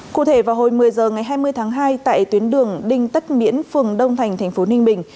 cụ thể vào hồi một mươi h ngày hai mươi tháng hai tại tuyến đường đinh tất miễn phường đông thành thành phố ninh bình